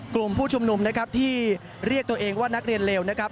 กลุ่มผู้ชุมนุมนะครับที่เรียกตัวเองว่านักเรียนเลวนะครับ